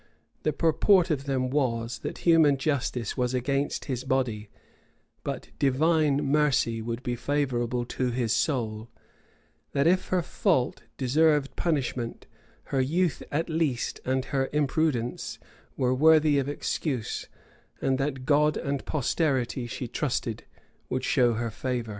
[] The purport of them was, that human justice was against his body, but divine mercy would be favorable to his soul; that if her fault deserved punishment, her youth at least, and her imprudence, were worthy of excuse; and that God and posterity, she trusted, would show her favor.